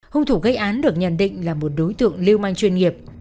hung thủ gây án được nhận định là một đối tượng lưu manh chuyên nghiệp